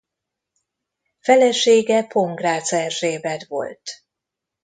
Felesége Pongrácz Erzsébet volt.